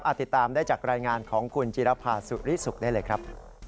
ติดตามได้จากรายงานของคุณจิรภาสุริสุขได้เลยครับ